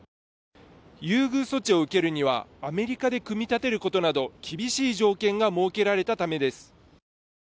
優遇措置を受けるには、アメリカで組み立てることなど厳しい条件が設けられたためです。